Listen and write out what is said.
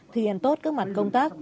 thiên tốt các mặt công tác